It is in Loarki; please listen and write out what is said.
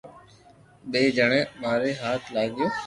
ٻئير جڻي ماري ھاٿ لاگيو